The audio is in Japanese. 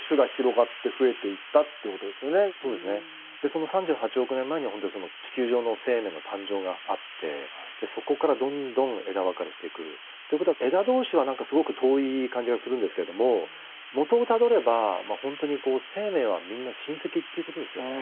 その３８億年前には本当に地球上の生命の誕生があってそこからどんどん枝分かれしていくということは枝同士は何かすごく遠い感じがするんですけれどももとをたどれば本当に生命はみんな親戚ということですよね。